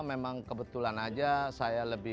memang kebetulan aja saya lebih